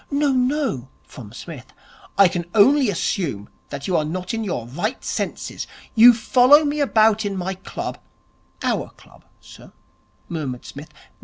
('No no,' from Psmith.) 'I can only assume that you are not in your right senses. You follow me about in my club ' 'Our club, sir,' murmured Psmith.